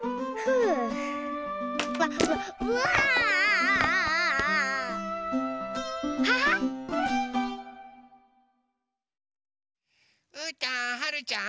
うーたんはるちゃん